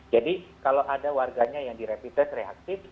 jadi kalau ada warganya yang direpites reaktif